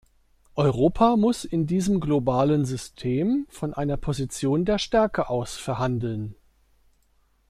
Europa muss in diesem globalen System von einer Position der Stärke aus verhandeln.